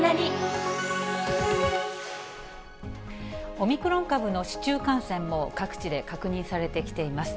オミクロン株の市中感染も各地で確認されてきています。